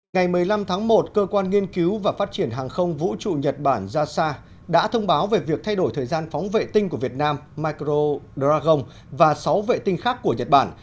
ngày một mươi năm tháng một cơ quan nghiên cứu và phát triển hàng không vũ trụ nhật bản jasa đã thông báo về việc thay đổi thời gian phóng vệ tinh của việt nam micro dragon và sáu vệ tinh khác của nhật bản